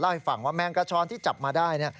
ให้ฟังว่าแมงกระชอนที่จับมาได้